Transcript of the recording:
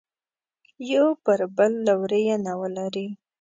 یو پر بل لورینه ولري.